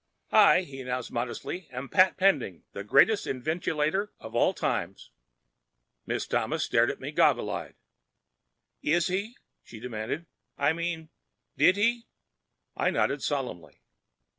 "I," he announced modestly, "am Pat Pending—the greatest inventulator of all time." Miss Thomas stared at me goggle eyed. "Is he?" she demanded. "I mean—did he?" I nodded solemnly.